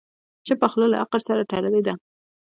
چپه خوله، له عقل سره تړلې ده.